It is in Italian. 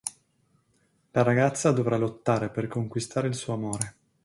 La ragazza dovrà lottare per riconquistare il suo amore.